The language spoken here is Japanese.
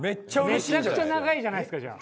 めちゃくちゃ長いじゃないですかじゃあ。